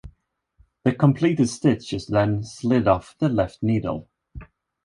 The completed stitch is then slid off the left needle.